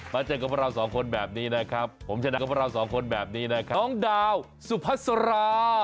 เจอกับพวกเราสองคนแบบนี้นะครับผมชนะกับพวกเราสองคนแบบนี้นะครับน้องดาวสุพัสรา